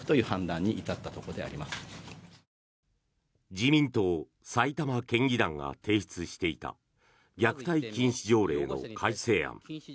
自民党埼玉県議団が提出していた虐待禁止条例の改正案。